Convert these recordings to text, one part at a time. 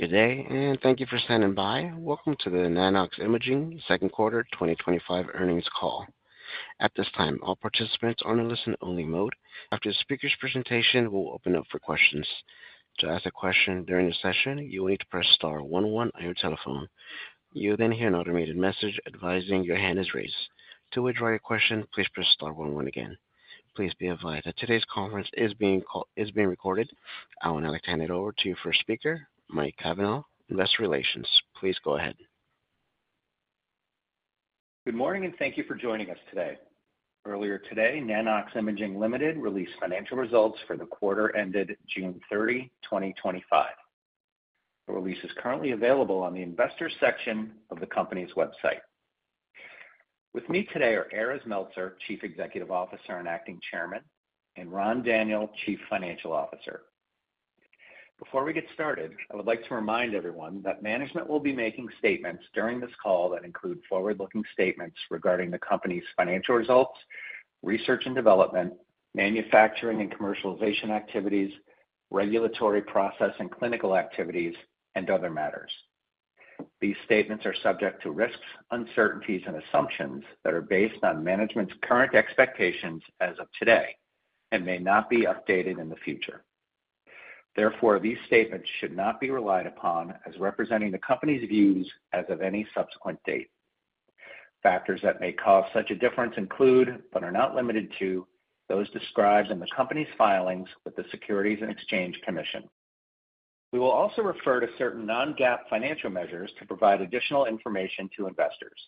Good day and thank you for standing by. Welcome to the Nano-X Imaging Second Quarter 2025 Earnings Call. At this time, all participants are in a listen-only mode. After the speaker's presentation, we'll open it up for questions. To ask a question during the session, you will need to press star one one on your telephone. You'll then hear an automated message advising your hand is raised. To withdraw your question, please press star one one again. Please be advised that today's conference is being recorded. I will now hand it over to your first speaker, Mike Cavanaugh, Investor Relations. Please go ahead. Good morning and thank you for joining us today. Earlier today, Nano-X Imaging Ltd. released financial results for the quarter ended June 30, 2025. The release is currently available on the investors' section of the company's website. With me today are Erez Meltzer, Chief Executive Officer and Acting Chairman, and Ran Daniel, Chief Financial Officer. Before we get started, I would like to remind everyone that management will be making statements during this call that include forward-looking statements regarding the company's financial results, research and development, manufacturing and commercialization activities, regulatory process and clinical activities, and other matters. These statements are subject to risks, uncertainties, and assumptions that are based on management's current expectations as of today and may not be updated in the future. Therefore, these statements should not be relied upon as representing the company's views as of any subsequent date. Factors that may cause such a difference include, but are not limited to, those described in the company's filings with the Securities and Exchange Commission. We will also refer to certain non-GAAP financial measures to provide additional information to investors.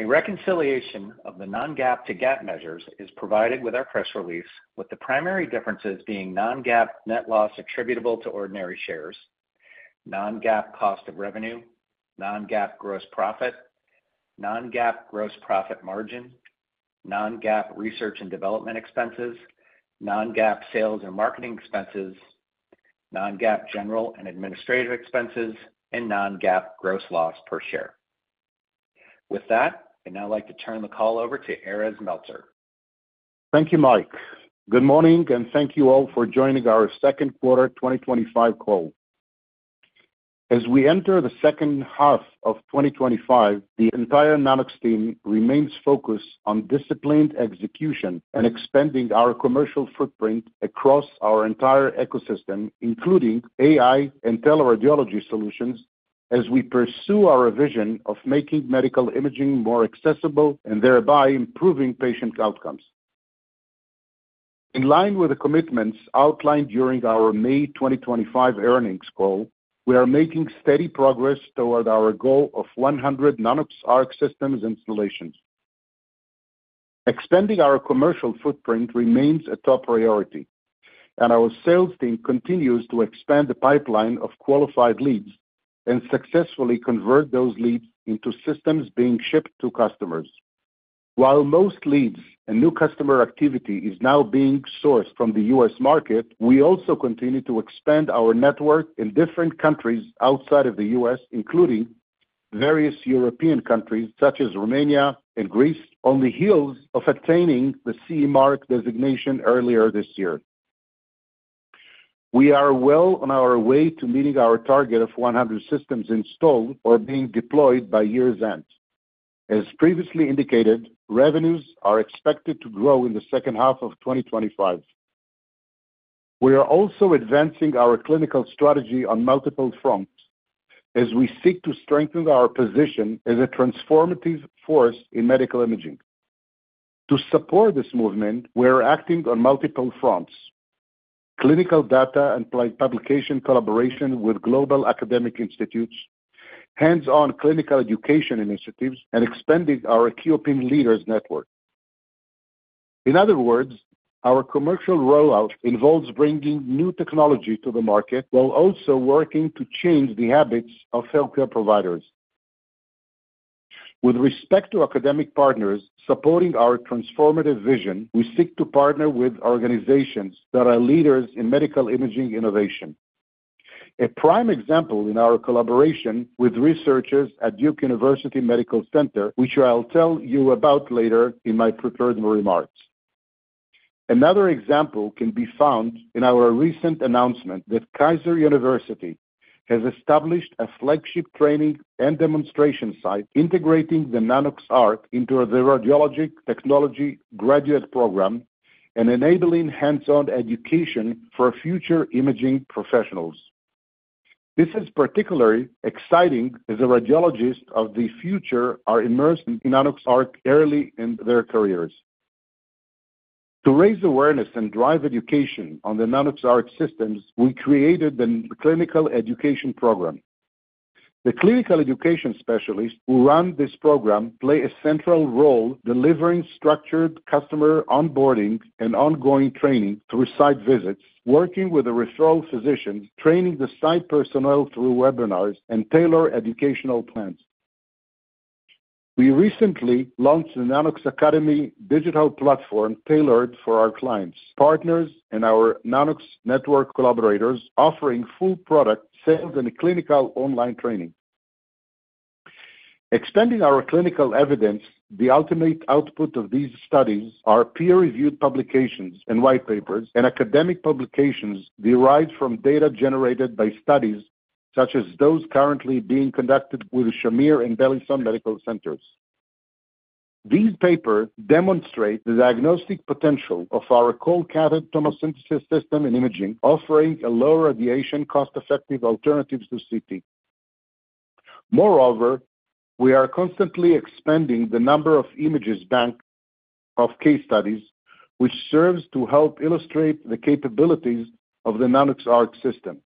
A reconciliation of the non-GAAP to GAAP measures is provided with our press release, with the primary differences being non-GAAP net loss attributable to ordinary shares, non-GAAP cost of revenue, non-GAAP gross profit, non-GAAP gross profit margin, non-GAAP research and development expenses, non-GAAP sales and marketing expenses, non-GAAP general and administrative expenses, and non-GAAP gross loss per share. With that, I'd now like to turn the call over to Erez Meltzer. Thank you, Mike. Good morning and thank you all for joining our second quarter 2025 call. As we enter the second half of 2025, the entire Nano-X team remains focused on disciplined execution and expanding our commercial footprint across our entire ecosystem, including AI and teleradiology solutions, as we pursue our vision of making medical imaging more accessible and thereby improving patient outcomes. In line with the commitments outlined during our May 2025 earnings call, we are making steady progress toward our goal of 100 Nano-X ARC systems installations. Expanding our commercial footprint remains a top priority, and our sales team continues to expand the pipeline of qualified leads and successfully convert those leads into systems being shipped to customers. While most leads and new customer activity are now being sourced from the U.S. market, we also continue to expand our network in different countries outside of the U.S., including various European countries such as Romania and Greece, on the heels of attaining the CE mark designation earlier this year. We are well on our way to meeting our target of 100 systems installed or being deployed by year's end. As previously indicated, revenues are expected to grow in the second half of 2025. We are also advancing our clinical strategy on multiple fronts as we seek to strengthen our position as a transformative force in medical imaging. To support this movement, we are acting on multiple fronts: clinical data and publication collaboration with global academic institutes, hands-on clinical education initiatives, and expanding our key opinion leaders network. In other words, our commercial rollout involves bringing new technology to the market while also working to change the habits of healthcare providers. With respect to academic partners supporting our transformative vision, we seek to partner with organizations that are leaders in medical imaging innovation. A prime example is our collaboration with researchers at Duke University Medical Center, which I'll tell you about later in my prepared remarks. Another example can be found in our recent announcement that Kaiser University has established a flagship training and demonstration site integrating the Nano-X ARC into the radiologic technology graduate program and enabling hands-on education for future imaging professionals. This is particularly exciting as the radiologists of the future are immersed in Nano-X ARC early in their careers. To raise awareness and drive education on the Nano-X ARC systems, we created the clinical education program. The clinical education specialists who run this program play a central role, delivering structured customer onboarding and ongoing training through site visits, working with referral physicians, training the site personnel through webinars, and tailoring educational plans. We recently launched the Nano-X Academy digital platform tailored for our clients, partners, and our Nano-X network collaborators, offering full product sales and clinical online training. Extending our clinical evidence, the ultimate output of these studies are peer-reviewed publications and white papers and academic publications derived from data generated by studies, such as those currently being conducted with Shamir and Bellinson Medical Centers. These papers demonstrate the diagnostic potential of our cold catheter thermosynthesis system in imaging, offering a low radiation cost-effective alternative to CT. Moreover, we are constantly expanding the number of images bank of case studies, which serves to help illustrate the capabilities of the Nano-X ARC system.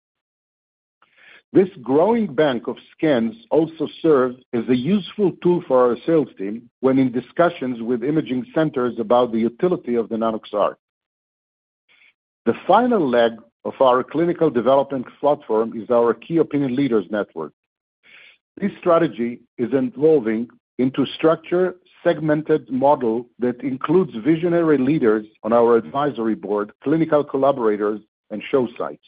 This growing bank of scans also serves as a useful tool for our sales team when in discussions with imaging centers about the utility of the Nano-X ARC. The final leg of our clinical development platform is our key opinion leaders network. This strategy is evolving into a structured segmented model that includes visionary leaders on our advisory board, clinical collaborators, and show sites.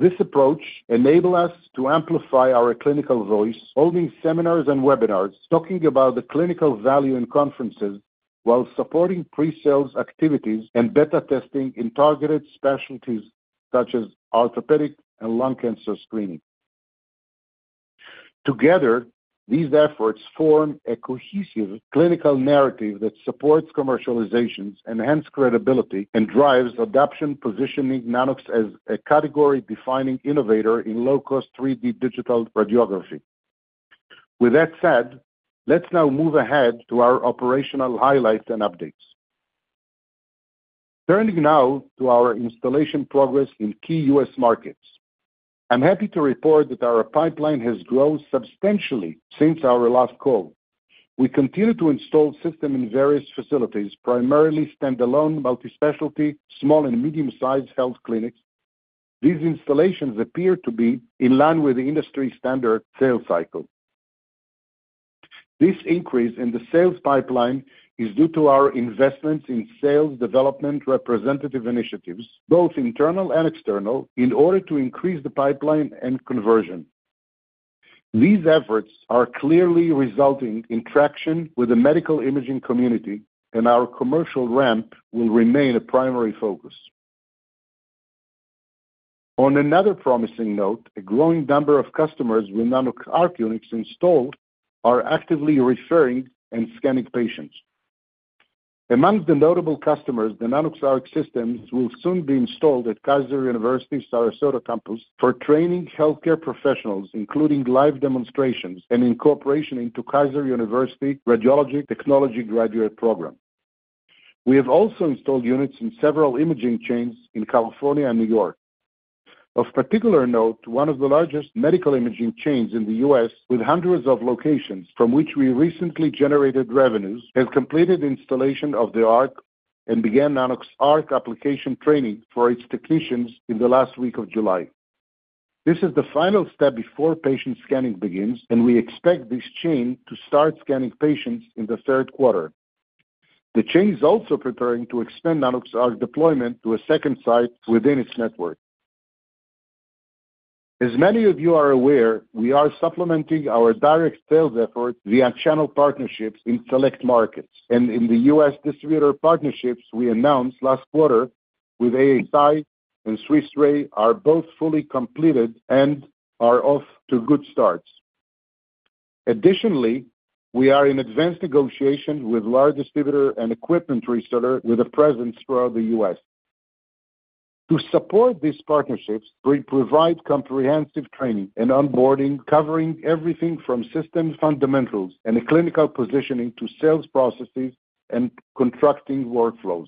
This approach enables us to amplify our clinical voice, holding seminars and webinars, talking about the clinical value in conferences, while supporting pre-sales activities and beta testing in targeted specialties such as orthopedic and lung cancer screening. Together, these efforts form a cohesive clinical narrative that supports commercialization, enhances credibility, and drives adoption positioning Nano-X as a category-defining innovator in low-cost 3D digital radiography. With that said, let's now move ahead to our operational highlights and updates. Turning now to our installation progress in key U.S. markets, I'm happy to report that our pipeline has grown substantially since our last call. We continue to install systems in various facilities, primarily standalone, multi-specialty, small, and medium-sized health clinics. These installations appear to be in line with the industry standard sales cycle. This increase in the sales pipeline is due to our investments in sales development representative initiatives, both internal and external, in order to increase the pipeline and conversion. These efforts are clearly resulting in traction with the medical imaging community, and our commercial ramp will remain a primary focus. On another promising note, a growing number of customers with Nano-X ARC units installed are actively referring and scanning patients. Among the notable customers, the Nano-X ARC systems will soon be installed at Kaiser University's Sarasota campus for training healthcare professionals, including live demonstrations and incorporation into Kaiser University's radiology technology graduate program. We have also installed units in several imaging chains in California and New York. Of particular note, one of the largest medical imaging chains in the U.S., with hundreds of locations from which we recently generated revenues, has completed the installation of the ARC and began Nano-X ARC application training for its technicians in the last week of July. This is the final step before patient scanning begins, and we expect this chain to start scanning patients in the third quarter. The chain is also preparing to expand Nano-X ARC deployment to a second site within its network. As many of you are aware, we are supplementing our direct sales efforts via channel partnerships in select markets, and in the U.S. distributor partnerships we announced last quarter with ASI and Swiss Re are both fully completed and are off to good starts. Additionally, we are in advanced negotiations with large distributors and equipment resellers with a presence throughout the U.S. To support these partnerships, we provide comprehensive training and onboarding, covering everything from system fundamentals and clinical positioning to sales processes and contracting workflows.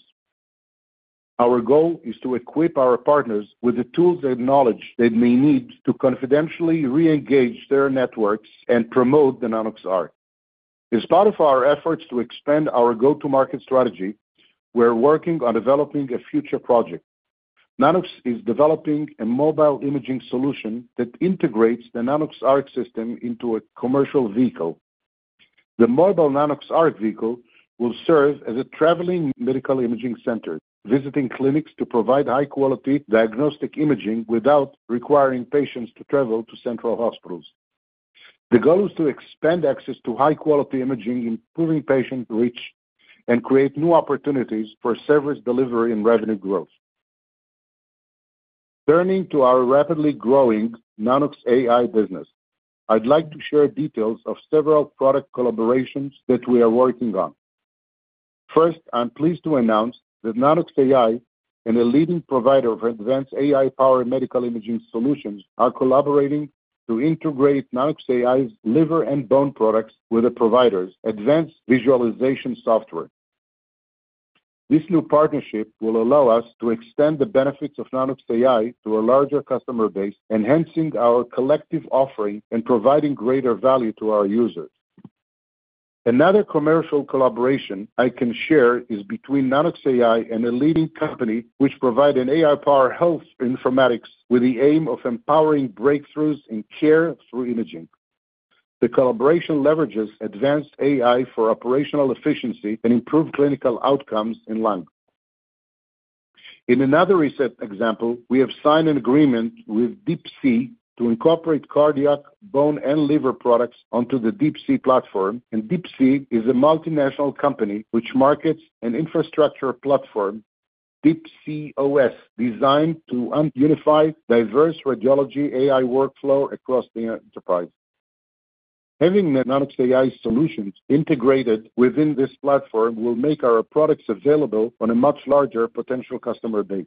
Our goal is to equip our partners with the tools and knowledge they may need to confidently re-engage their networks and promote the Nano-X ARC. In spite of our efforts to expand our go-to-market strategy, we're working on developing a future project. Nano-X is developing a mobile imaging solution that integrates the Nano-X ARC system into a commercial vehicle. The mobile Nano-X ARC vehicle will serve as a traveling medical imaging center, visiting clinics to provide high-quality diagnostic imaging without requiring patients to travel to central hospitals. The goal is to expand access to high-quality imaging, improving patient reach, and create new opportunities for service delivery and revenue growth. Turning to our rapidly growing Nano-X AI business, I'd like to share details of several product collaborations that we are working on. First, I'm pleased to announce that Nano-X AI, a leading provider of advanced AI-powered medical imaging solutions, is collaborating to integrate Nano-X AI's liver and bone products with the provider's advanced visualization software. This new partnership will allow us to extend the benefits of Nano-X AI to a larger customer base, enhancing our collective offering and providing greater value to our users. Another commercial collaboration I can share is between Nano-X AI and a leading company which provides AI-powered health informatics with the aim of empowering breakthroughs in care through imaging. The collaboration leverages advanced AI for operational efficiency and improved clinical outcomes in lung. In another recent example, we have signed an agreement with DeepSeek to incorporate cardiac, bone, and liver products onto the DeepSeek platform. DeepSeek is a multinational company which markets an infrastructure platform, DeepSeek OS, designed to unify diverse radiology AI workflows across the enterprise. Having Nano-X AI solutions integrated within this platform will make our products available on a much larger potential customer base.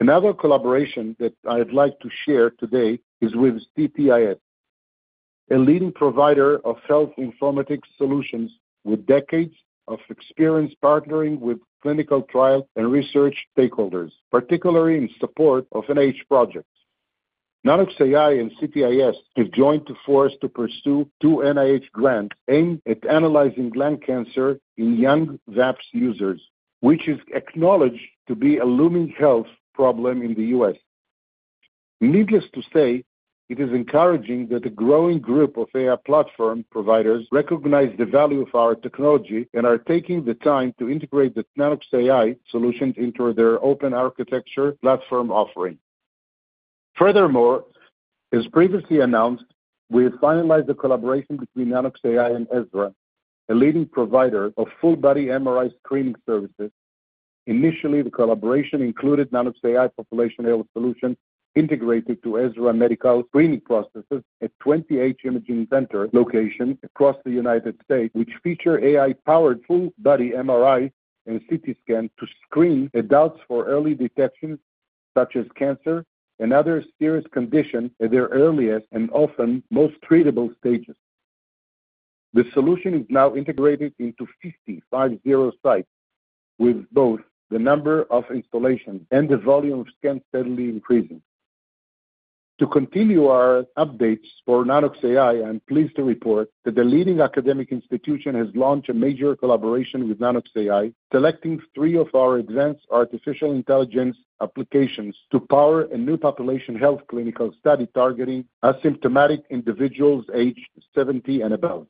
Another collaboration that I'd like to share today is with CTIS, a leading provider of health informatics solutions with decades of experience partnering with clinical trials and research stakeholders, particularly in support of NIH projects. Nano-X AI and CTIS have joined forces to pursue two NIH grants aimed at analyzing lung cancer in young vape users, which is acknowledged to be a looming health problem in the U.S. Needless to say, it is encouraging that a growing group of AI platform providers recognizes the value of our technology and is taking the time to integrate the Nano-X AI solutions into their open architecture platform offering. Furthermore, as previously announced, we have finalized the collaboration between Nano-X AI and Ezra, a leading provider of full-body MRI screening services. Initially, the collaboration included Nano-X AI population health solutions integrated to Ezra medical screening processes at 28 imaging center locations across the United States, which feature AI-powered full-body MRIs and CT scans to screen adults for early detections such as cancer and other serious conditions at their earliest and often most treatable stages. The solution is now integrated into 50 sites, with both the number of installations and the volume of scans steadily increasing. To continue our updates for Nano-X AI, I'm pleased to report that the leading academic institution has launched a major collaboration with Nano-X AI, selecting three of our advanced artificial intelligence applications to power a new population health clinical study targeting asymptomatic individuals aged 70 and above.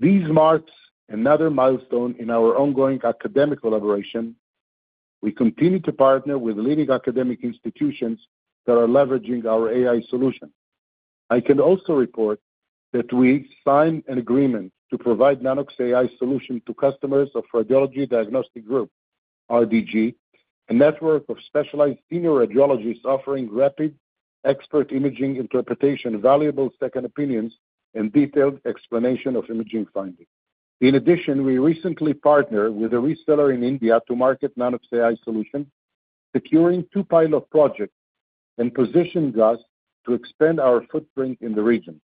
This marks another milestone in our ongoing academic collaboration. We continue to partner with leading academic institutions that are leveraging our AI solutions. I can also report that we signed an agreement to provide Nano-X AI solutions to customers of Radiology Diagnostic Group (RDG), a network of specialized senior radiologists offering rapid expert imaging interpretation, valuable second opinions, and detailed explanation of imaging findings. In addition, we recently partnered with a reseller in India to market Nano-X AI solutions, securing two pilot projects and positioning us to expand our footprint in the region.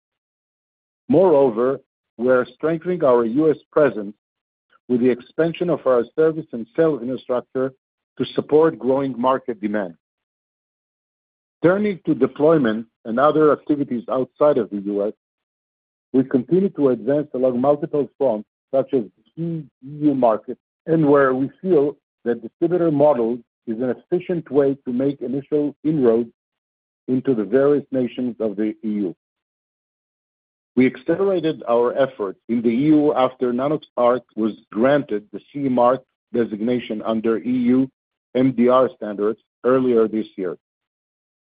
Moreover, we are strengthening our U.S. presence with the expansion of our service and sales infrastructure to support growing market demand. Turning to deployment and other activities outside of the U.S., we continue to advance along multiple fronts, such as the key EU markets, and where we feel that the distributor model is an efficient way to make initial inroads into the various nations of the EU. We accelerated our efforts in the EU after Nano-X ARC was granted the CE mark designation under EU MDR standards earlier this year.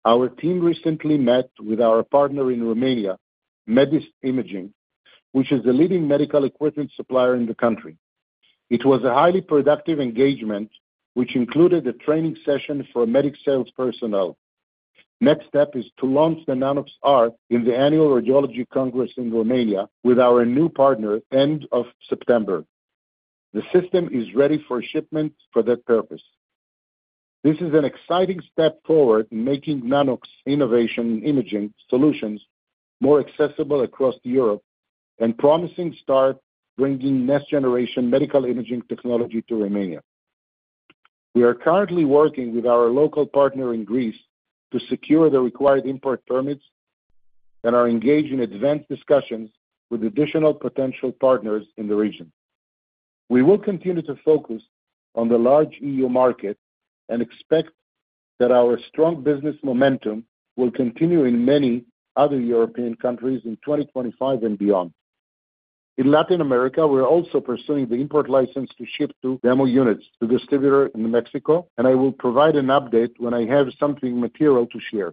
Our team recently met with our partner in Romania, Medis Imaging, which is the leading medical equipment supplier in the country. It was a highly productive engagement, which included a training session for Medis sales personnel. The next step is to launch the Nano-X ARC in the annual Radiology Congress in Romania with our new partner at the end of September. The system is ready for shipment for that purpose. This is an exciting step forward in making Nano-X innovation and imaging solutions more accessible across Europe and a promising start bringing next-generation medical imaging technology to Romania. We are currently working with our local partner in Greece to secure the required import permits and are engaged in advanced discussions with additional potential partners in the region. We will continue to focus on the large EU market and expect that our strong business momentum will continue in many other European countries in 2025 and beyond. In Latin America, we're also pursuing the import license to ship two demo units to a distributor in Mexico, and I will provide an update when I have something material to share.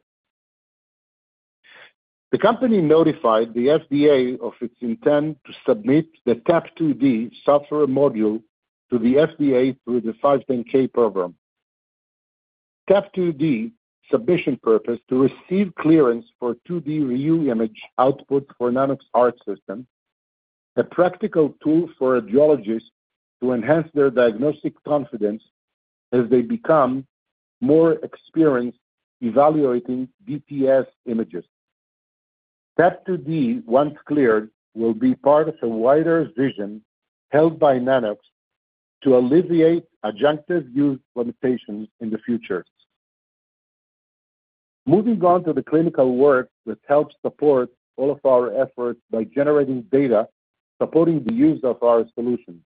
The company notified the FDA of its intent to submit the TAP2D software module to the FDA through the 510(k) program. TAP2D's submission purpose is to receive clearance for a 2D-view image output for the Nano-X ARC system, a practical tool for radiologists to enhance their diagnostic confidence as they become more experienced evaluating DTF images. TAP2D, once cleared, will be part of a wider vision held by Nano-X to alleviate adjunctive use limitations in the future. Moving on to the clinical work, which helps support all of our efforts by generating data supporting the use of our solutions.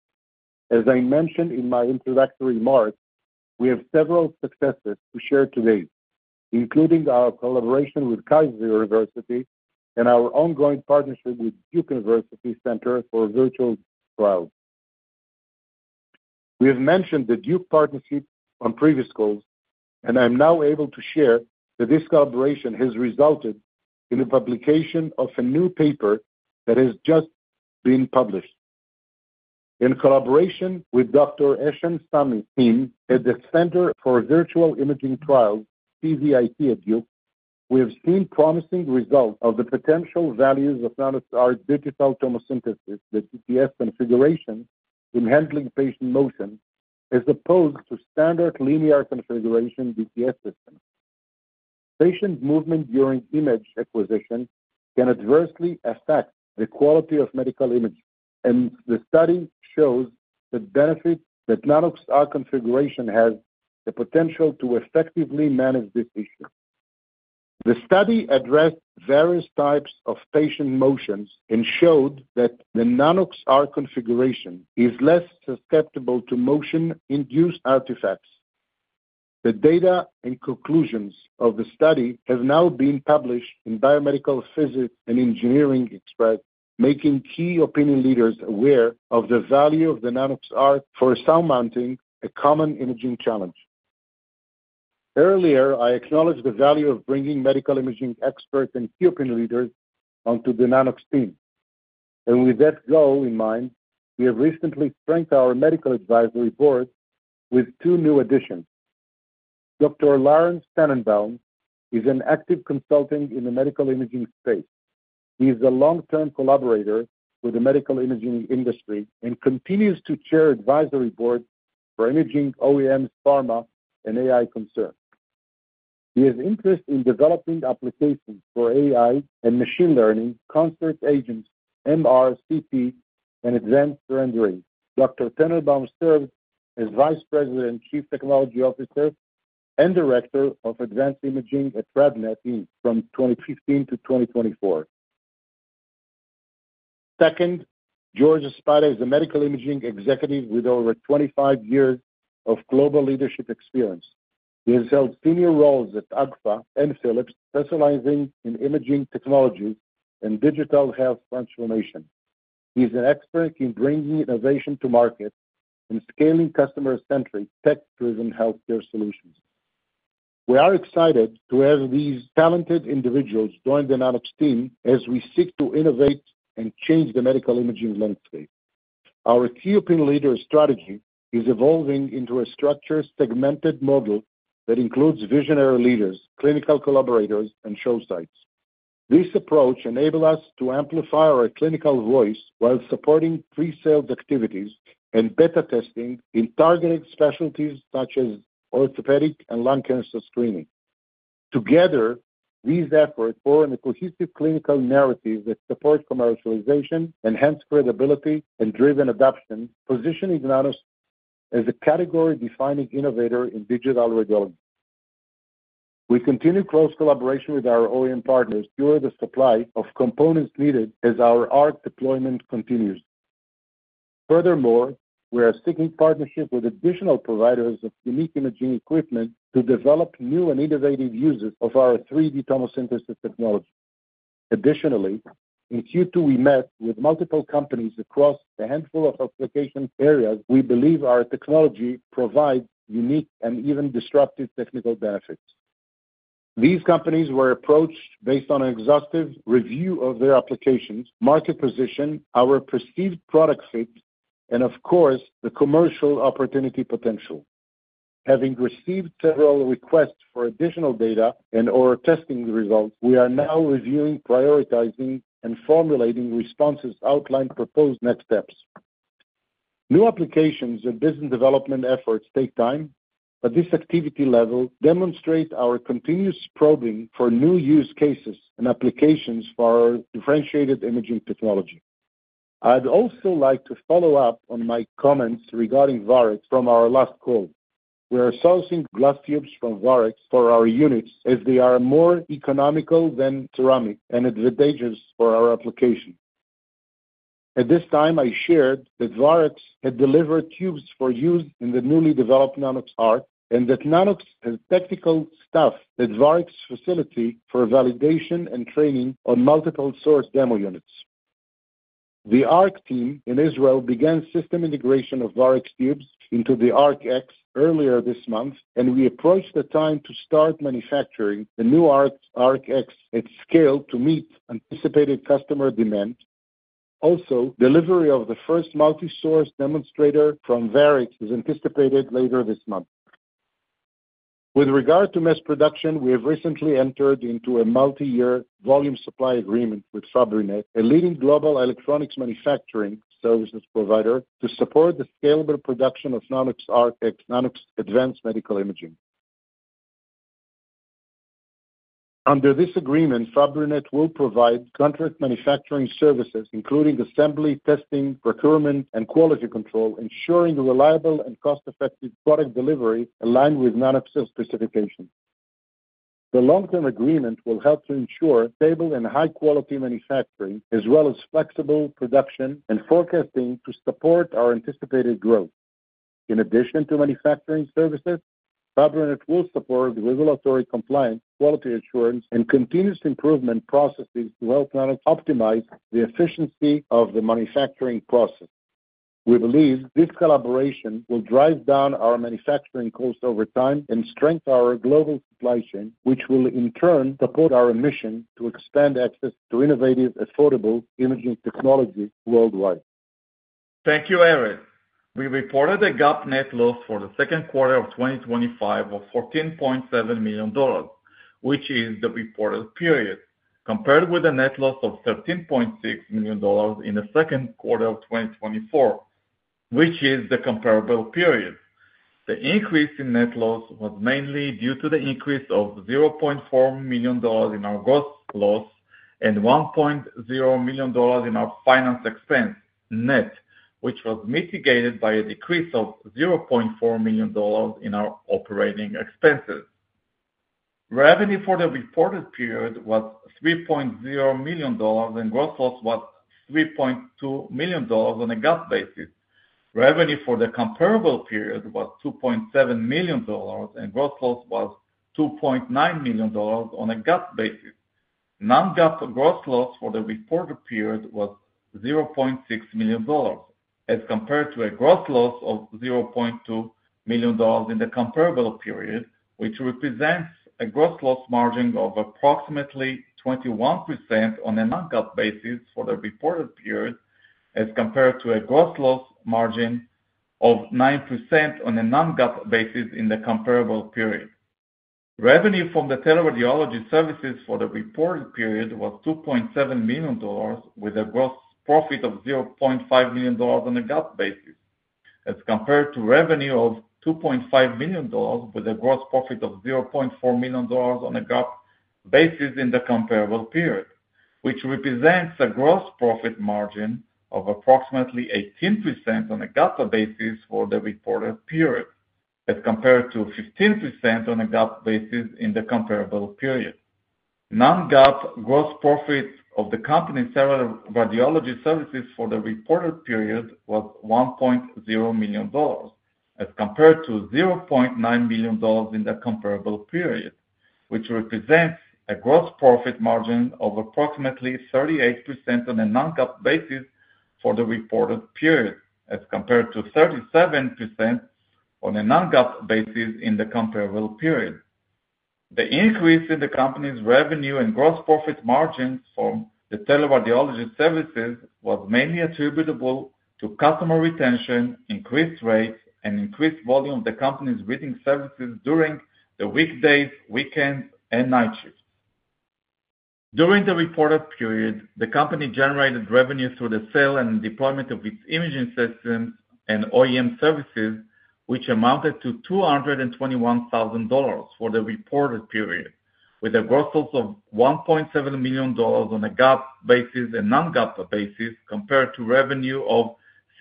As I mentioned in my introductory remarks, we have several successes to share today, including our collaboration with Kaiser University and our ongoing partnership with Duke University's Center for Virtual Cloud. We have mentioned the Duke partnership on previous calls, and I'm now able to share that this collaboration has resulted in the publication of a new paper that has just been published. In collaboration with Dr. Ehsan Samei's team at the Center for Virtual Imaging Trials, CVIT at Duke, we have seen promising results of the potential values of Nano-X ARC digital thermosynthesis, the DTF configuration in handling patient motion as opposed to standard linear configuration DTF systems. Patient movement during image acquisition can adversely affect the quality of medical imaging, and the study shows the benefit that Nano-X ARC configuration has the potential to effectively manage this issue. The study addressed various types of patient motions and showed that the Nano-X ARC configuration is less susceptible to motion-induced artifacts. The data and conclusions of the study have now been published in Biomedical Physics and Engineering Express, making key opinion leaders aware of the value of the Nano-X ARC for surmounting a common imaging challenge. Earlier, I acknowledged the value of bringing medical imaging experts and key opinion leaders onto the Nano-X team. With that goal in mind, we have recently strengthened our Medical Advisory Board with two new additions. Dr. Lawrence Tanenbaum is an active consultant in the medical imaging space. He is a long-term collaborator with the medical imaging industry and continues to chair the advisory board for imaging OEMs, pharma, and AI concerns. He has interest in developing applications for AI and machine learning, contrast agents, MR, CT, and advanced rendering. Dr. Tanenbaum served as Vice President, Chief Technology Officer, and Director of Advanced Imaging at RadNet, Inc. from 2015-2024. Second, George Espada is a medical imaging executive with over 25 years of global leadership experience. He has held senior roles at AGFA and Philips, specializing in imaging technology and digital health transformation. He's an expert in bringing innovation to market and scaling customer-centric tech-driven healthcare solutions. We are excited to have these talented individuals join the Nano-X team as we seek to innovate and change the medical imaging landscape. Our key opinion leader strategy is evolving into a structured segmented model that includes visionary leaders, clinical collaborators, and show sites. This approach enables us to amplify our clinical voice while supporting pre-sales activities and beta testing in targeted specialties such as orthopedic and lung cancer screening. Together, these efforts form a cohesive clinical narrative that supports commercialization, enhances credibility, and drives adoption, positioning Nano-X as a category-defining innovator in digital radiology. We continue close collaboration with our OEM partners to ensure the supply of components needed as our ARC deployment continues. Furthermore, we are seeking partnerships with additional providers of unique imaging equipment to develop new and innovative uses of our 3D tomosynthesis technology. Additionally, in Q2, we met with multiple companies across a handful of application areas we believe our technology provides unique and even disruptive technical benefits. These companies were approached based on an exhaustive review of their applications, market position, our perceived product fit, and, of course, the commercial opportunity potential. Having received several requests for additional data and/or testing the results, we are now reviewing, prioritizing, and formulating responses to outline proposed next steps. New applications and business development efforts take time, but this activity level demonstrates our continuous probing for new use cases and applications for our differentiated imaging technology. I'd also like to follow up on my comments regarding Varex from our last call. We are sourcing glass tubes from Varex for our units as they are more economical than ceramic and advantageous for our application. At this time, I shared that Varex had delivered tubes for use in the newly developed Nano-X ARC and that Nano-X has technical staff at Varex's facility for validation and training on multiple source demo units. The ARC team in Israel began system integration of Varex tubes into the ARC X earlier this month, and we approached the time to start manufacturing the new ARC X at scale to meet anticipated customer demand. Also, delivery of the first multi-source demonstrator from Varex is anticipated later this month. With regard to mass production, we have recently entered into a multi-year volume supply agreement with Fabrinet, a leading global electronics manufacturing services provider, to support the scalable production of Nano-X RARC and Nano-X advanced medical imaging. Under this agreement, Fabrinet will provide contract manufacturing services, including assembly, testing, procurement, and quality control, ensuring reliable and cost-effective product delivery aligned with Nano-X specifications. The long-term agreement will help to ensure stable and high-quality manufacturing, as well as flexible production and forecasting to support our anticipated growth. In addition to manufacturing services, Fabrinet will support regulatory compliance, quality assurance, and continuous improvement processes to help Nano-X optimize the efficiency of the manufacturing process. We believe this collaboration will drive down our manufacturing costs over time and strengthen our global supply chain, which will in turn support our mission to expand access to innovative, affordable imaging technology worldwide. Thank you, Erez. We reported a GAAP net loss for the second quarter of 2025 of $14.7 million, which is the reported period, compared with a net loss of $13.6 million in the second quarter of 2024, which is the comparable period. The increase in net loss was mainly due to the increase of $0.4 million in our gross loss and $1.0 million in our finance expense net, which was mitigated by a decrease of $0.4 million in our operating expenses. Revenue for the reported period was $3.0 million, and gross loss was $3.2 million on a GAAP basis. Revenue for the comparable period was $2.7 million, and gross loss was $2.9 million on a GAAP basis. Non-GAAP gross loss for the reported period was $0.6 million, as compared to a gross loss of $0.2 million in the comparable period, which represents a gross loss margin of approximately 21% on a non-GAAP basis for the reported period, as compared to a gross loss margin of 9% on a non-GAAP basis in the comparable period. Revenue from the teleradiology services for the reported period was $2.7 million with a gross profit of $0.5 million on a GAAP basis, as compared to revenue of $2.5 million with a gross profit of $0.4 million on a GAAP basis in the comparable period, which represents a gross profit margin of approximately 18% on a GAAP basis for the reported period, as compared to 15% on a GAAP basis in the comparable period. Non-GAAP gross profit of the company's radiology services for the reported period was $1.0 million, as compared to $0.9 million in the comparable period, which represents a gross profit margin of approximately 38% on a non-GAAP basis for the reported period, as compared to 37% on a non-GAAP basis in the comparable period. The increase in the company's revenue and gross profit margin from the teleradiology services was mainly attributable to customer retention, increased rates, and increased volume of the company's reading services during the weekdays, weekends, and night shifts. During the reported period, the company generated revenue through the sale and deployment of its imaging systems and OEM services, which amounted to $221,000 for the reported period, with a gross loss of $1.7 million on a GAAP basis and non-GAAP basis, compared to revenue of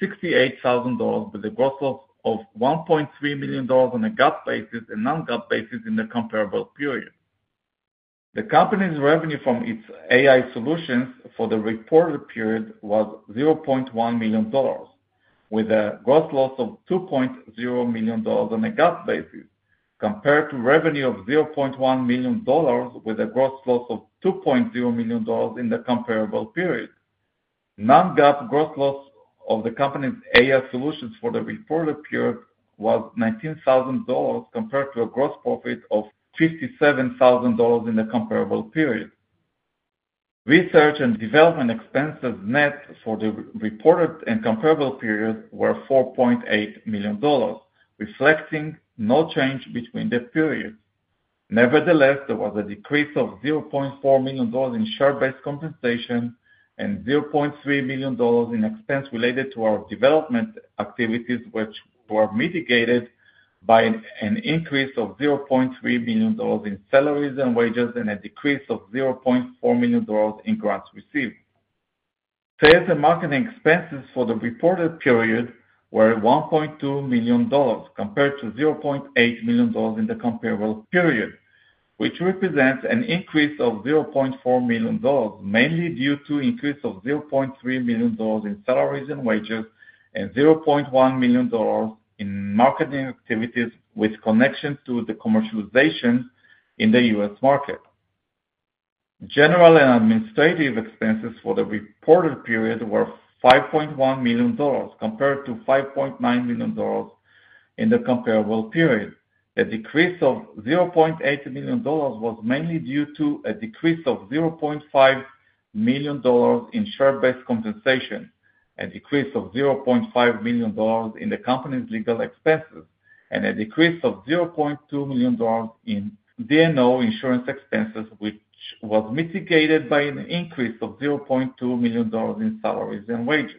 $68,000 with a gross loss of $1.3 million on a GAAP basis and non-GAAP basis in the comparable period. The company's revenue from its AI solutions for the reported period was $0.1 million, with a gross loss of $2.0 million on a GAAP basis, compared to revenue of $0.1 million with a gross loss of $2.0 million in the comparable period. Non-GAAP gross loss of the company's AI solutions for the reported period was $19,000, compared to a gross profit of $57,000 in the comparable period. Research and development expenses net for the reported and comparable period were $4.8 million, reflecting no change between the periods. Nevertheless, there was a decrease of $0.4 million in share-based compensation and $0.3 million in expenses related to our development activities, which were mitigated by an increase of $0.3 million in salaries and wages and a decrease of $0.4 million in grants received. Sales and marketing expenses for the reported period were $1.2 million, compared to $0.8 million in the comparable period, which represents an increase of $0.4 million, mainly due to an increase of $0.3 million in salaries and wages and $0.1 million in marketing activities with connection to the commercialization in the U.S. market. General and administrative expenses for the reported period were $5.1 million, compared to $5.9 million in the comparable period. A decrease of $0.8 million was mainly due to a decrease of $0.5 million in share-based compensation, a decrease of $0.5 million in the company's legal expenses, and a decrease of $0.2 million in D&O insurance expenses, which was mitigated by an increase of $0.2 million in salaries and wages.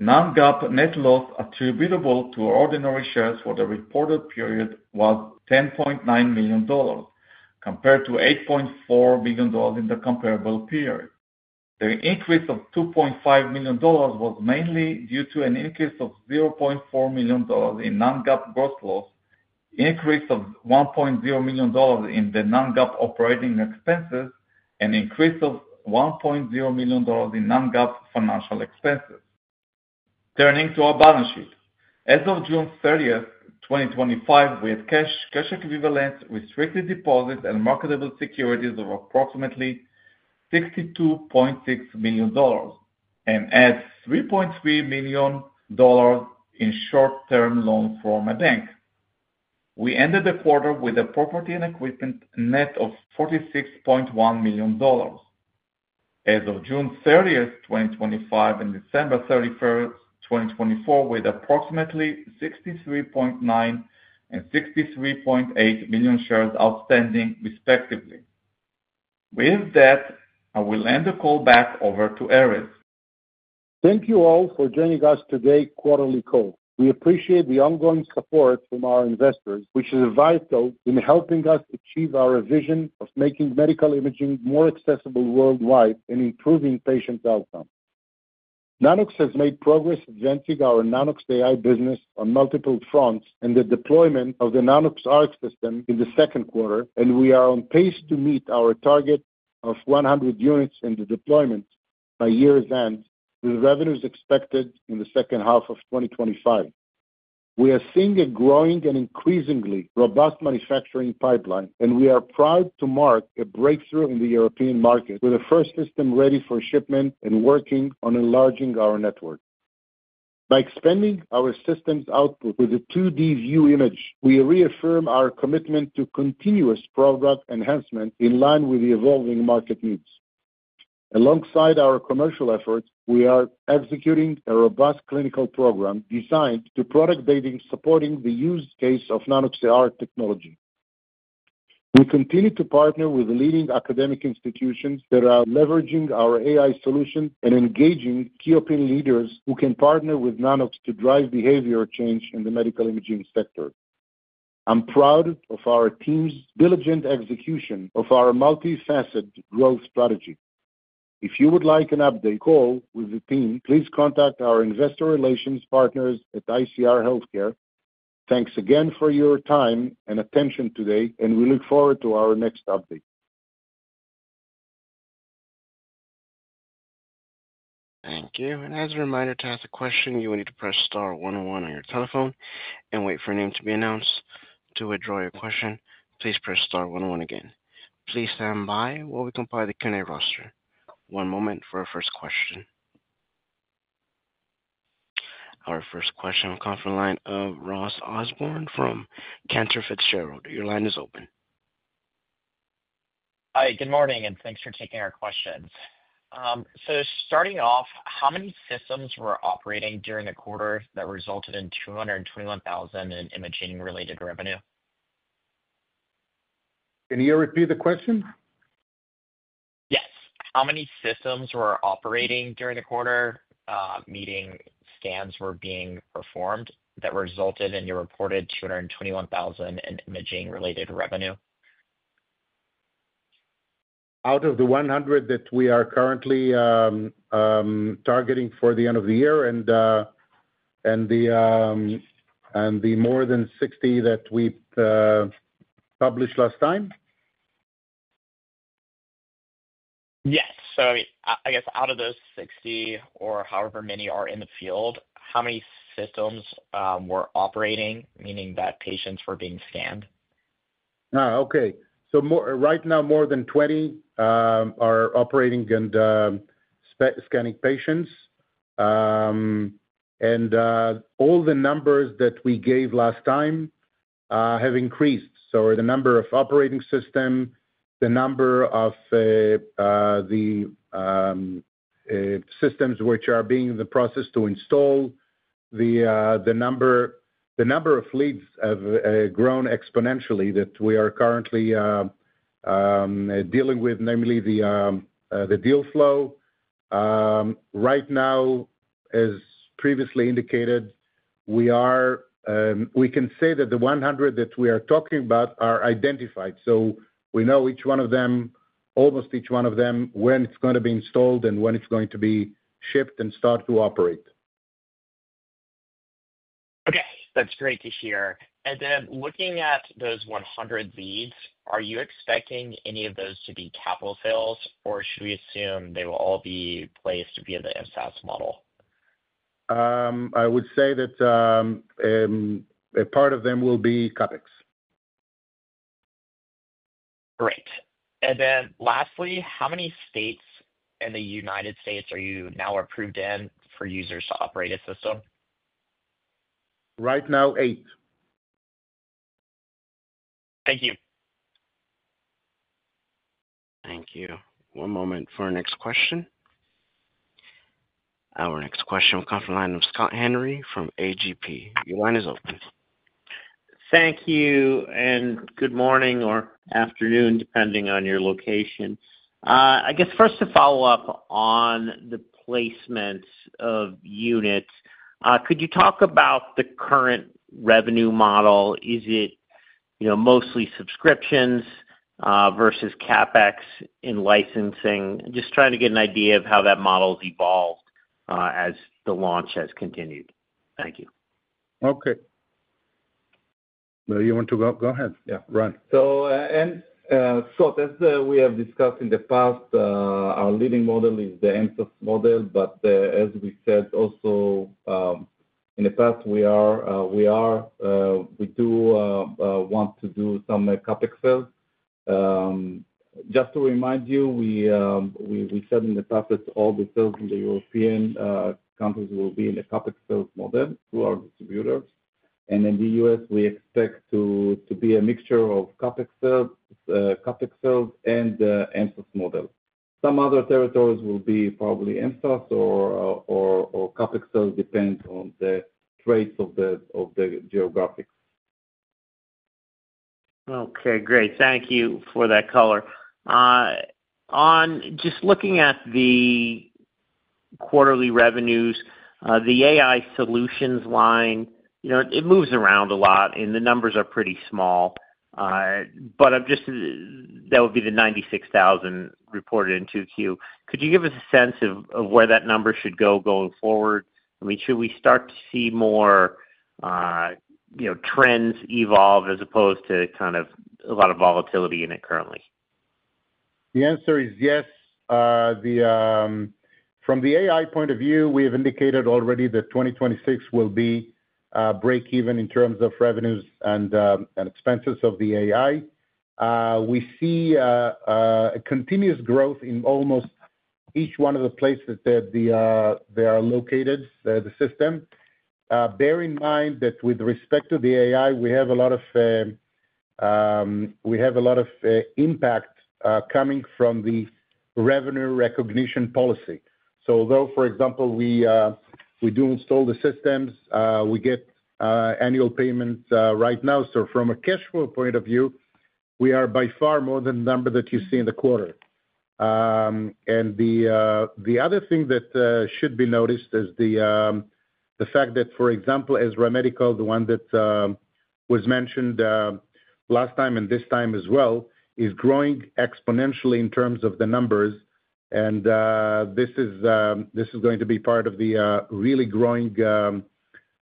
Non-GAAP net loss attributable to ordinary shares for the reported period was $10.9 million, compared to $8.4 million in the comparable period. The increase of $2.5 million was mainly due to an increase of $0.4 million in non-GAAP gross loss, an increase of $1.0 million in the non-GAAP operating expenses, and an increase of $1.0 million in non-GAAP financial expenses. Turning to our balance sheet. As of June 30th, 2025, we had cash equivalents, restricted deposits, and marketable securities of approximately $62.6 million and added $3.3 million in short-term loans from a bank. We ended the quarter with a property and equipment net of $46.1 million. As of June 30th, 2025, and December 31st, 2024, we had approximately 63.9 million and 63.8 million shares outstanding, respectively. With that, I will hand the call back over to Erez. Thank you all for joining us today's quarterly call. We appreciate the ongoing support from our investors, which is vital in helping us achieve our vision of making medical imaging more accessible worldwide and improving patient outcomes. Nano-X has made progress advancing our Nano-X AI business on multiple fronts and the deployment of the Nano-X ARC system in the second quarter, and we are on pace to meet our target of 100 units in the deployment by year's end, with revenues expected in the second half of 2025. We are seeing a growing and increasingly robust manufacturing pipeline, and we are proud to mark a breakthrough in the European market with the first system ready for shipment and working on enlarging our network. By expanding our system output with a 2D-view image, we reaffirm our commitment to continuous product enhancement in line with the evolving market needs. Alongside our commercial efforts, we are executing a robust clinical program designed to be product-based, supporting the use case of Nano-X ARC technology. We continue to partner with leading academic institutions that are leveraging our AI solutions and engaging key opinion leaders who can partner with Nano-X to drive behavioral change in the medical imaging sector. I'm proud of our team's diligent execution of our multifaceted growth strategy. If you would like an update call with the team, please contact our Investor Relations partners at ICR Healthcare. Thanks again for your time and attention today, and we look forward to our next update. Thank you. As a reminder, to ask a question, you will need to press star one oh one on your telephone and wait for a name to be announced. To withdraw your question, please press star one oh one again. Please stand by while we compile the candidate roster. One moment for our first question. Our first question will come from the line of Ross Osborn from Cantor Fitzgerald. Your line is open. Hi. Good morning, and thanks for taking our questions. Starting off, how many systems were operating during the quarter that resulted in $221,000 in imaging-related revenue? Can you repeat the question? Yes. How many systems were operating during the quarter, meaning scans were being performed that resulted in your reported $221,000 in imaging-related revenue? Out of the 100 that we are currently targeting for the end of the year, and the more than 60 that we published last time? Yes. I mean, I guess out of those 60 or however many are in the field, how many systems were operating, meaning that patients were being scanned? Okay. Right now, more than 20 are operating and scanning patients. All the numbers that we gave last time have increased. The number of operating systems, the number of systems which are being in the process to install, the number of leads have grown exponentially that we are currently dealing with, namely the deal flow. Right now, as previously indicated, we can say that the 100 that we are talking about are identified. We know each one of them, almost each one of them, when it's going to be installed and when it's going to be shipped and start to operate. That's great to hear. Looking at those 100 leads, are you expecting any of those to be capital sales, or should we assume they will all be placed via the SaaS model? I would say that a part of them will be CapEx. Great. Lastly, how many states in the United States are you now approved in for users to operate a system? Right now, eight. Thank you. Thank you. One moment for our next question. Our next question will come from the line of Scott Henry from A.G.P. Your line is open. Thank you, and good morning or afternoon, depending on your location. I guess first to follow up on the placement of units, could you talk about the current revenue model? Is it mostly subscriptions versus CapEx in licensing? Just trying to get an idea of how that model has evolved as the launch has continued. Thank you. Okay. Do you want to go? Go ahead. Yeah, Ran. As we have discussed in the past, our leading model is the [ENSOS] model. As we said also in the past, we do want to do some CapEx sales. Just to remind you, we said in the past that all the sales in the European countries will be in the CapEx sales model through our distributors. In the U.S., we expect to be a mixture of CapEx sales and the [ENSOS] model. Some other territories will be probably [ENSOS] or CapEx sales. It depends on the traits of the geographics. Okay. Great. Thank you for that color. On just looking at the quarterly revenues, the AI solutions line, you know, it moves around a lot, and the numbers are pretty small. I'm just, that would be the $96,000 reported in 2Q. Could you give us a sense of where that number should go going forward? I mean, should we start to see more, you know, trends evolve as opposed to kind of a lot of volatility in it currently? The answer is yes. From the AI point of view, we have indicated already that 2026 will be a break-even in terms of revenues and expenses of the AI. We see a continuous growth in almost each one of the places that they are located, the system. Bear in mind that with respect to the AI, we have a lot of impact coming from the revenue recognition policy. Although, for example, we do install the systems, we get annual payments right now. From a cash flow point of view, we are by far more than the number that you see in the quarter. The other thing that should be noticed is the fact that, for example, Ezra Medical, the one that was mentioned last time and this time as well, is growing exponentially in terms of the numbers. This is going to be part of the really growing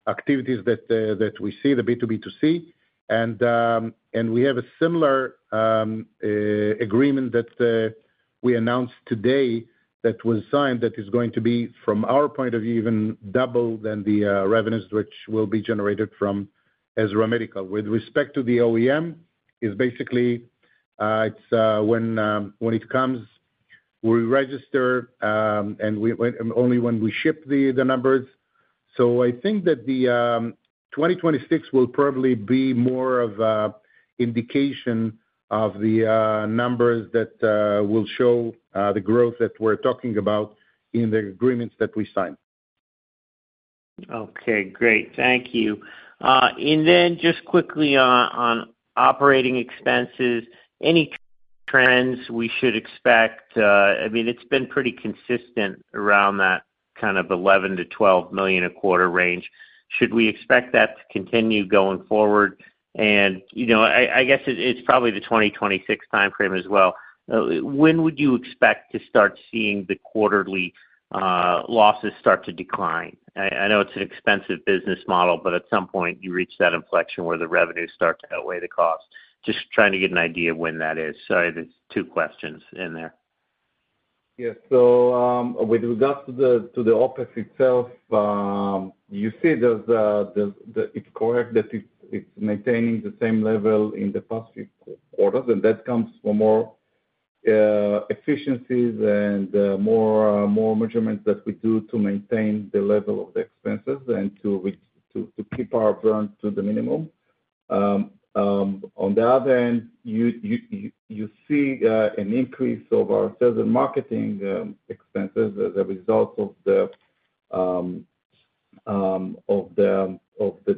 activities that we see, the B2B2C, and we have a similar agreement that we announced today that was signed that is going to be, from our point of view, even double the revenues which will be generated from Ezra Medical. With respect to the OEM, it's basically when it comes, we register and only when we ship the numbers. I think that the 2026 will probably be more of an indication of the numbers that will show the growth that we're talking about in the agreements that we signed. Okay. Great. Thank you. Just quickly on operating expenses, any trends we should expect? It's been pretty consistent around that kind of $11 million-$12 million, a quarter range. Should we expect that to continue going forward? I guess it's probably the 2026 timeframe as well. When would you expect to start seeing the quarterly losses start to decline? I know it's an expensive business model, but at some point, you reach that inflection where the revenues start to outweigh the cost. Just trying to get an idea of when that is. Sorry, there's two questions in there. Yeah. With regards to the OpEx itself, you see it's maintaining the same level in the past few quarters, and that comes from more efficiencies and more measurements that we do to maintain the level of the expenses and to keep our burn to the minimum. On the other hand, you see an increase of our sales and marketing expenses as a result of the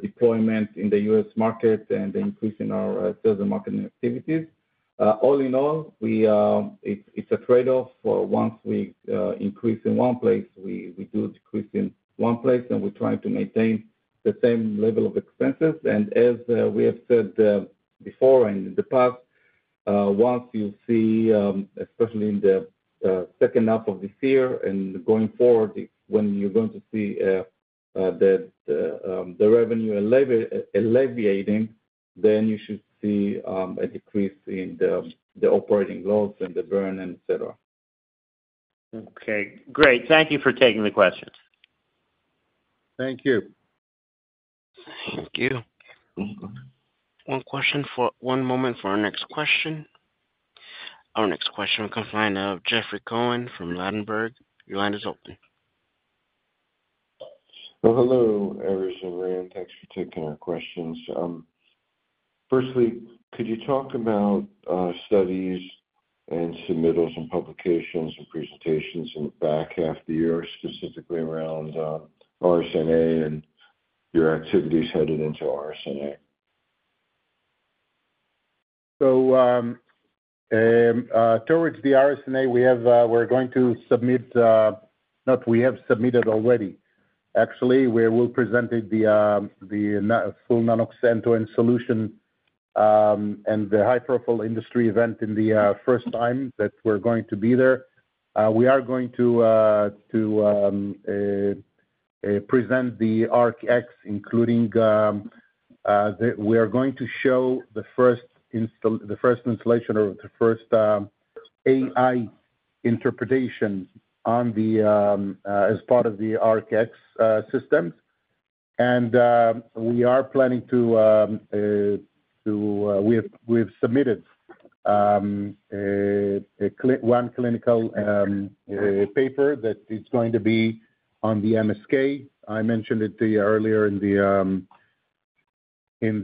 deployment in the U.S. market and the increase in our sales and marketing activities. All in all, it's a trade-off. Once we increase in one place, we do decrease in one place, and we're trying to maintain the same level of expenses. As we have said before and in the past, once you see, especially in the second half of this year and going forward, when you're going to see the revenue alleviating, then you should see a decrease in the operating loss and the burn, etc. Okay. Great. Thank you for taking the questions. Thank you. Thank you. One moment for our next question. Our next question will come from the line of Jeffrey Cohen from Ladenburg. Your line is open. Hello, Erez and Ran. Thanks for taking our questions. Firstly, could you talk about studies and submittals and publications and presentations in the back half of the year, specifically around RSNA and your activities headed into RSNA? Towards the RSNA, we're going to submit, not we have submitted already. Actually, we will present the full Nano-X end-to-end solution at the high-profile industry event, the first time that we're going to be there. We are going to present the ARC X, including we are going to show the first installation or the first AI interpretation as part of the ARC X systems. We are planning to, we have submitted one clinical paper that is going to be on the MSK. I mentioned it to you earlier, and when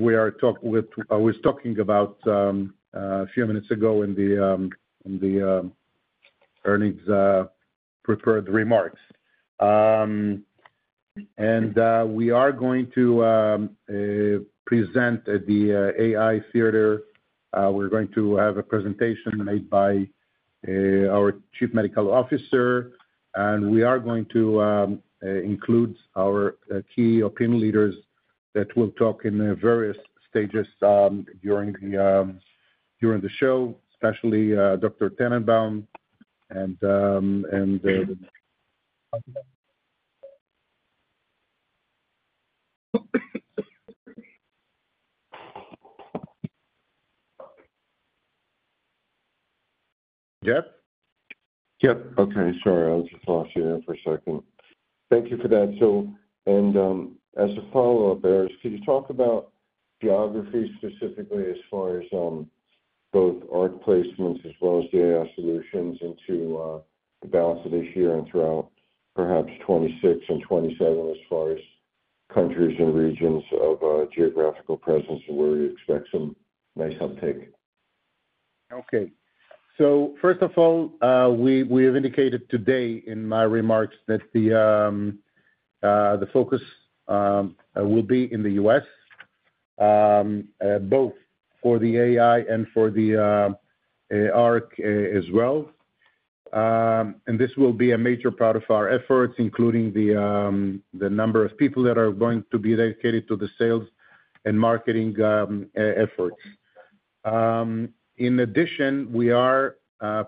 we are talking, I was talking about a few minutes ago in the earnings prepared remarks. We are going to present at the AI theater. We're going to have a presentation made by our Chief Medical Officer, and we are going to include our key opinion leaders that will talk in various stages during the show, especially Dr. Tanenbaum. Jeff. Okay. Sorry. I just lost you there for a second. Thank you for that. As a follow-up, Erez, could you talk about geography specifically as far as both ARC placements as well as the AI solutions into the balance of this year and throughout perhaps 2026 and 2027 as far as countries and regions of geographical presence and where you expect some nice uptake. Okay. First of all, we have indicated today in my remarks that the focus will be in the U.S., both for the AI and for the ARC as well. This will be a major part of our efforts, including the number of people that are going to be dedicated to the sales and marketing efforts. In addition, we are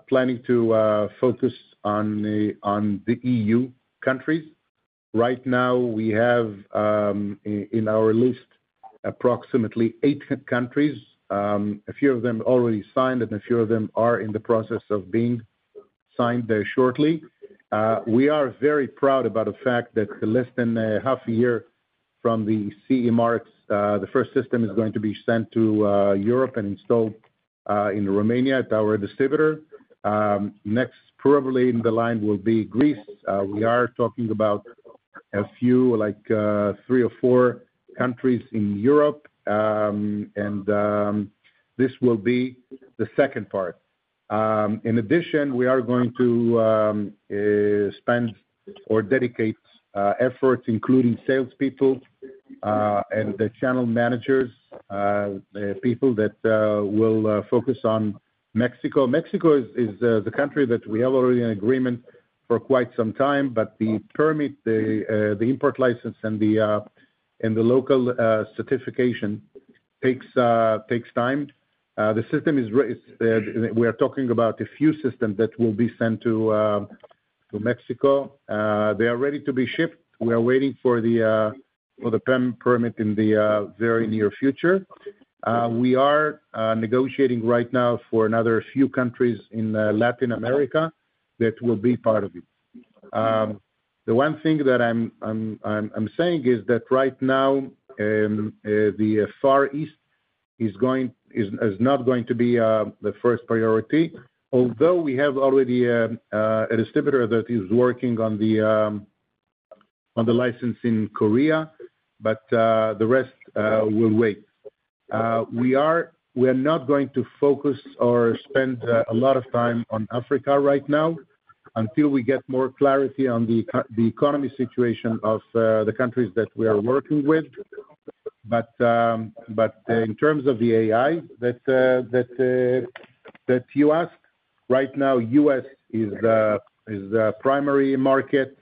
planning to focus on the EU countries. Right now, we have in our list approximately eight countries. A few of them already signed, and a few of them are in the process of being signed shortly. We are very proud about the fact that less than half a year from the CE marks, the first system is going to be sent to Europe and installed in Romania at our distributor. Next, probably in the line will be Greece. We are talking about a few, like three or four countries in Europe. This will be the second part. In addition, we are going to spend or dedicate efforts, including salespeople and the channel managers, the people that will focus on Mexico. Mexico is the country that we have already in agreement for quite some time, but the permit, the import license, and the local certification takes time. The system is, we are talking about a few systems that will be sent to Mexico. They are ready to be shipped. We are waiting for the permit in the very near future. We are negotiating right now for another few countries in Latin America that will be part of it. The one thing that I'm saying is that right now, the Far East is not going to be the first priority, although we have already a distributor that is working on the license in Korea, but the rest will wait. We are not going to focus or spend a lot of time on Africa right now until we get more clarity on the economy situation of the countries that we are working with. In terms of the AI that you asked, right now, the U.S. is the primary market.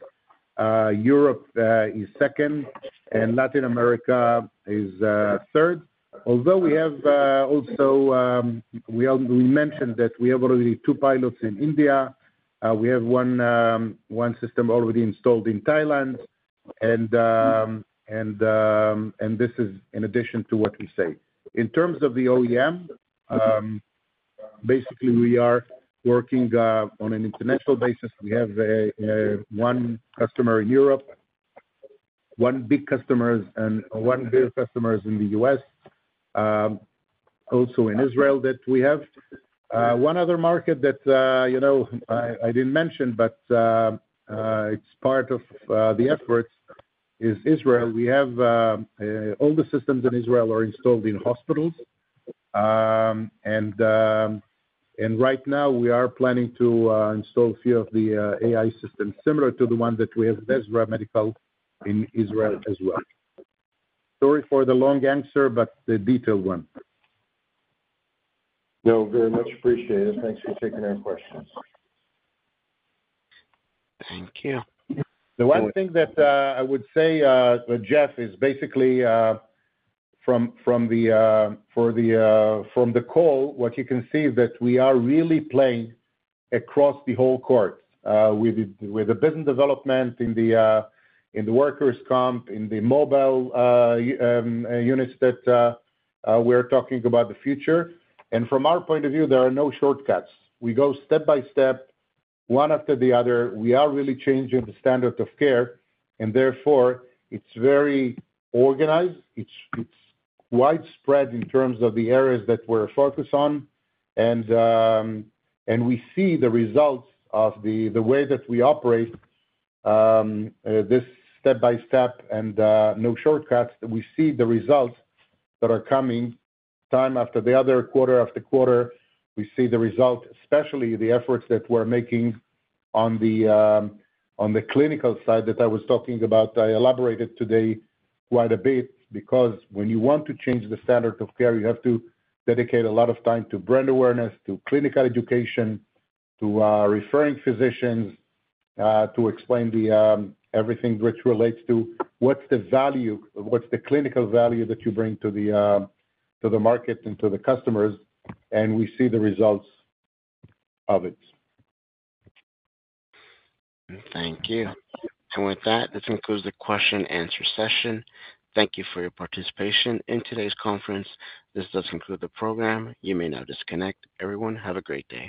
Europe is second, and Latin America is third. Although we have also, we mentioned that we have already two pilots in India. We have one system already installed in Thailand. This is in addition to what we say. In terms of the OEM, basically, we are working on an international basis. We have one customer in Europe, one big customer, and one bigger customer in the U.S., also in Israel that we have. One other market that I didn't mention, but it's part of the efforts, is Israel. We have all the systems in Israel are installed in hospitals. Right now, we are planning to install a few of the AI systems similar to the one that we have at Ezra Medical in Israel as well. Sorry for the long answer, but the detailed one. No, very much appreciated. Thanks for taking our questions. Thank you. The one thing that I would say, Jeff, is basically from the call, what you can see is that we are really playing across the whole court with the business development in the workers' comp, in the mobile units that we're talking about the future. From our point of view, there are no shortcuts. We go step by step, one after the other. We are really changing the standard of care, and therefore, it's very organized. It's widespread in terms of the areas that we're focused on. We see the results of the way that we operate, this step by step and no shortcuts. We see the results that are coming time after the other, quarter-after-quarter. We see the results, especially the efforts that we're making on the clinical side that I was talking about. I elaborated today quite a bit because when you want to change the standard of care, you have to dedicate a lot of time to brand awareness, to clinical education, to referring physicians, to explain everything which relates to what's the value, what's the clinical value that you bring to the market and to the customers. We see the results of it. Thank you. With that, this concludes the question-and-answer session. Thank you for your participation in today's conference. This does conclude the program. You may now disconnect. Everyone, have a great day.